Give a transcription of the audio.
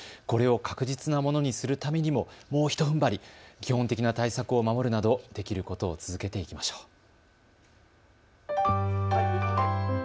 これを確実なものにするためにももうひとふんばり基本的な対策を守るなどできることを続けていきましょう。